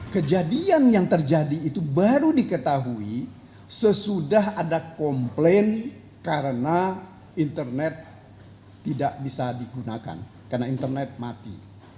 kejadian yang terjadi itu baru diketahui sesudah ada komplain karena internet tidak bisa digunakan karena internet mati